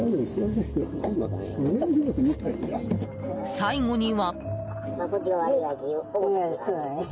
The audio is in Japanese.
最後には。